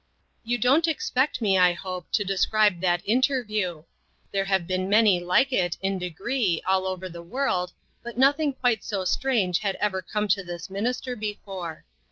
You don't expect me, I hope, to describe that interview? There have been many like it, in degree, all over the world, but noth ing quite so strange had ever come to this INTERRUPTED. minister before.